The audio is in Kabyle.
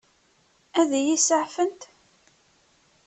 Ad iyi-iseɛfent?